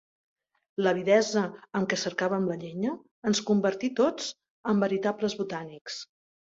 L'avidesa amb què cercàvem la llenya ens convertí tots en veritables botànics.